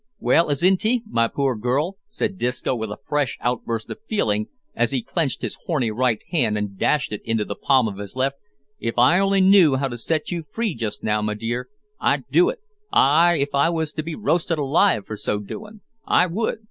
Well, Azinte, my poor girl," said Disco, with a fresh outburst of feeling, as he clenched his horny right hand and dashed it into the palm of his left, "if I only knew how to set you free just now, my dear, I'd do it ay, if I was to be roasted alive for so doin'. I would!"